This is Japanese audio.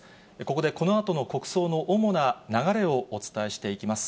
ここでこのあとの国葬の主な流れをお伝えしていきます。